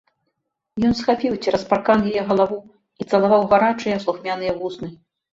Ён схапіў цераз паркан яе галаву і цалаваў у гарачыя, слухмяныя вусны.